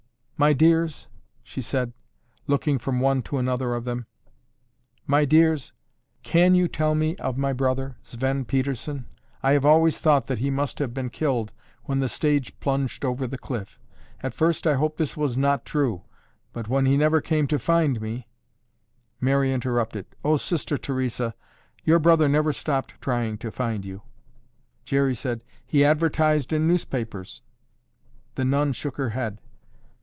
"My dears," she said, looking from one to another of them. "My dears, can you tell me of my brother, Sven Pedersen? I have always thought that he must have been killed when the stage plunged over the cliff. At first I hoped this was not true, but when he never came to find me—" Mary interrupted, "Oh, Sister Theresa, your brother never stopped trying to find you." Jerry said, "He advertised in newspapers." The nun shook her head.